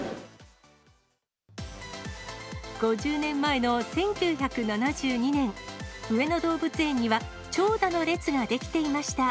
５０年前の１９７２年、上野動物園には長蛇の列が出来ていました。